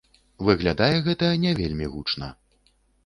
Выглядае гэта не вельмі гучна.